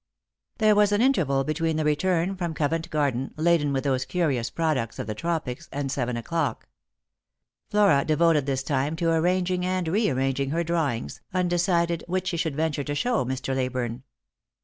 There was an interval between the return from Covent Garden, laden with those curious products of the tropics, and seven o'clock. Flora devoted this time to arranging and rearranging her drawings, undecided which she should venture to show Mr. Leyburne.